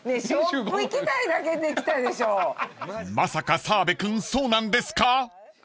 ［まさか澤部君そうなんですか？］